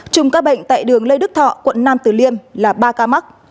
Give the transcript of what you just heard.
chùm ca bệnh tại đường lê đức thọ quận nam tử liêm là ba ca mắc